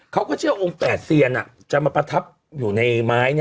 เขาก็เชื่อองค์๘เซียนจะมาประทับอยู่ในไม้